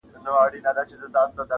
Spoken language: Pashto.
• هم مرغان هم څلور بولي یې خوړله -